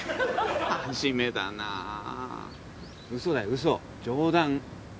真面目だなウソだよウソ冗談。